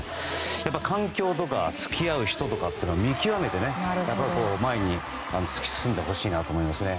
やっぱり環境とか付き合う人とかっていうのは見極めて前に突き進んでほしいなと思いますね。